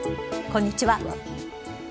こんにちは。